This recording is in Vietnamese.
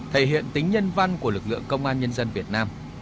thể hiện tính nhân văn của lực lượng công an nhân dân việt nam